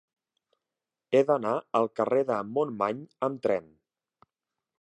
He d'anar al carrer de Montmany amb tren.